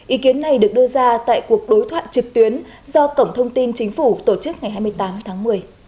ý kiến này được đưa ra tại cuộc đối thoại trực tuyến do cổng thông tin chính phủ tổ chức ngày hai mươi tám tháng một mươi